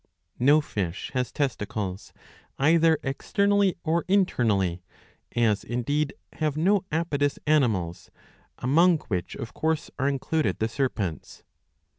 ^^ No fish has testicles^* either externally or internally ; as indeed have no apodous animals, among which of course are included the serpents.